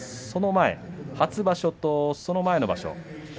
その前初場所とその前の場所